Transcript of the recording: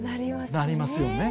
なりますね。